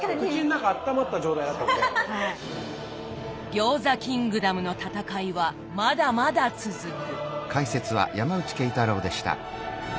餃子キングダムの戦いはまだまだ続く。